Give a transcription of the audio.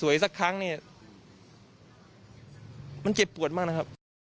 สักครั้งเนี่ยมันเจ็บปวดมากนะครับ